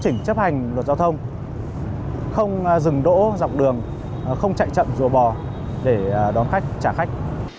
chỉnh chấp hành luật giao thông không dừng đỗ dọc đường không chạy chậm rùa bò để đón khách trả khách